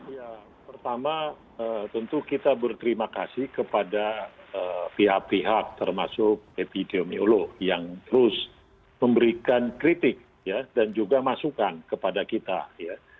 ya pertama tentu kita berterima kasih kepada pihak pihak termasuk epidemiolog yang terus memberikan kritik dan juga masukan kepada kita ya